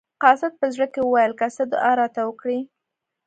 قاصد په زړه کې وویل که څه دعا راته وکړي.